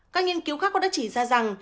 các nghiên cứu khác cũng đã chỉ ra rằng